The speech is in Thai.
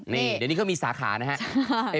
นี่เดี๋ยวนี้ก็มีสาขานะฮะ